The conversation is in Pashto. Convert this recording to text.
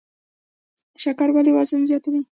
شکر ولې وزن زیاتوي؟